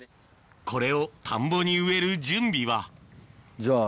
これを田んぼに植える準備はじゃあ。